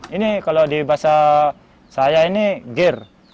ini kalau di bahasa saya ini gear